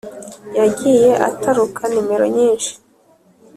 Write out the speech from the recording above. yagiye ataruka nimero nyinshi